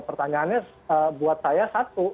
pertanyaannya buat saya satu